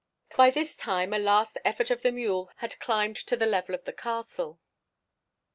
By this time a last effort of the mule had climbed to the level of the castle.